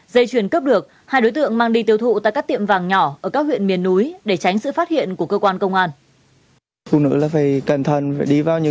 dây chuyền cướp được hai đối tượng mang đi tiêu thụ tại các tiệm vàng nhỏ ở các huyện miền núi để tránh sự phát hiện của cơ quan công an